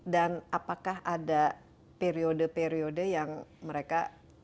dan apakah ada periode periode yang mereka